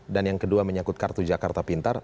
dan yang kedua menyangkut kartu jakarta pintar